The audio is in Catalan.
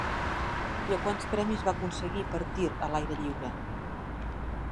I quants premis va aconseguir per tir a l'aire lliure?